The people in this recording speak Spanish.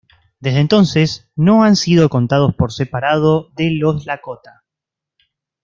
Desde entonces no han sido contados por separado de los Lakota.